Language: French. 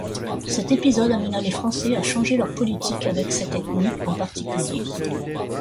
Cet épisode amena les Français à changer leur politique avec cette ethnie en particulier.